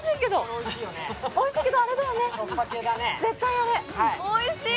あ、おいしい！